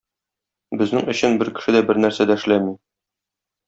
Безнең өчен бер кеше дә бернәрсә дә эшләми.